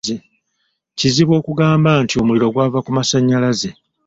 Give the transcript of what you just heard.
Kizibu okugamba nti omuliro gwava ku masannyalaze.